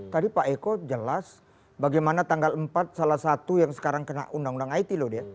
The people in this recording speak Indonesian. tadi pak eko jelas bagaimana tanggal empat salah satu yang sekarang kena undang undang it loh dia